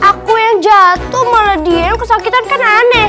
aku yang jatuh malah dia yang kesakitan kan aneh